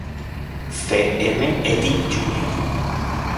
C. M. Eddy Jr.